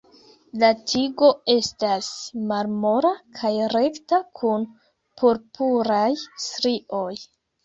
La tigo estas malmola kaj rekta kun purpuraj strioj.